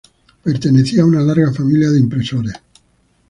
Pertenecía a una larga familia de impresores.